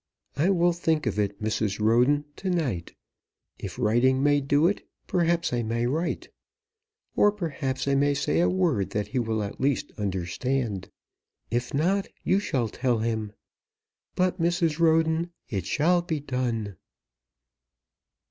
I will think of it, Mrs. Roden, to night. If writing may do it, perhaps I may write. Or, perhaps, I may say a word that he will at least understand. If not you shall tell him. But, Mrs. Roden, it shall be done!"